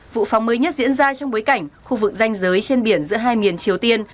vụ phóng mới nhất diễn ra trong bối cảnh khu vực danh giới trên biển giữa hai miền triều tiên